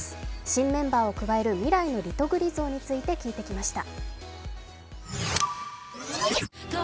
新メンバーを加える未来のリトグリ像について聞いてきました。